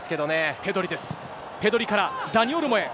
ペドリからダニ・オルモへ。